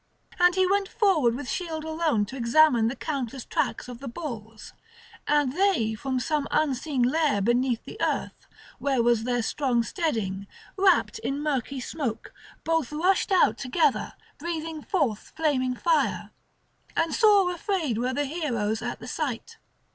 And he went forward with shield alone to examine the countless tracks of the bulls, and they from some unseen lair beneath the earth, where was their strong steading, wrapt in murky smoke, both rushed out together, breathing forth flaming fire. And sore afraid were the heroes at the sight.